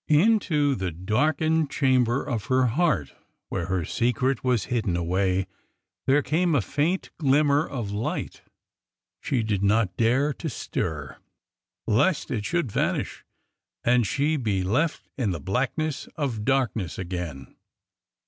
Into the darkened chamber of her heart, where her secret was hidden away, there came a 262 ORDER NO. 11 faint glimmer of light. She did not dare to stir, lest it should vanish and she be left in the blackness of darkness again.